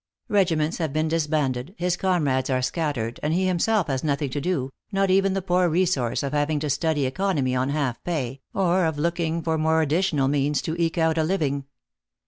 Regiments have been disbanded, his comrades are scattered, and he himself has nothing to do, not even the poor resource of having to study economy on half pay, or of looking for more additional means to eke out a living.